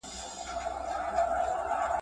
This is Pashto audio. • ادب له زخمه اخيستل کېږي.